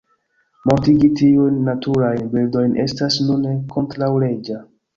Mortigi tiujn naturajn birdojn estas nune kontraŭleĝa.